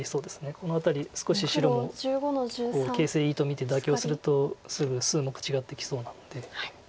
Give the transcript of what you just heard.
この辺り少し白の形勢いいと見て妥協するとすぐ数目違ってきそうなんで。